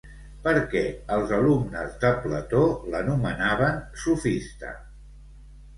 Per què els alumnes de Plató l'anomenaven "sofista"?